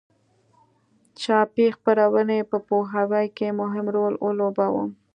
چاپي خپرونې په پوهاوي کې مهم رول ولوباوه.